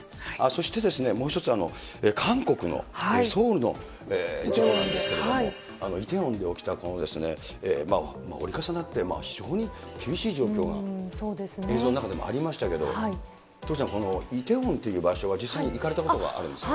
そしてもう一つ、韓国の、ソウルの事件なんですけれども、イテウォンで起きた、この折り重なって、非常に厳しい状況が映像の中でもありましたけど、徳島さん、このイテウォンという場所は、実際に行かれたことがあると？